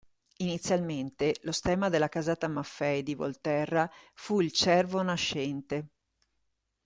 Inizialmente lo stemma della casata Maffei di Volterra fu il Cervo nascente.